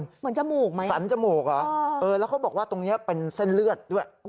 เหมือนจมูกมั้ยฮะสรรจมูกอ่ะแล้วก็บอกตรงนี้เป็นเส้นเลือดด้วย